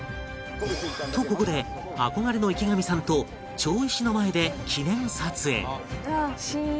とここで憧れの池上さんと町石の前で記念撮影